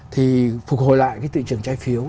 thì phục hồi lại cái thị trường trái phiếu